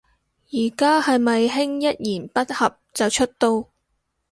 而家係咪興一言不合就出刀